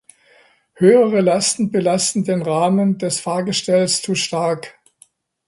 Höhere Lasten belasteten den Rahmen des Fahrgestells zu stark.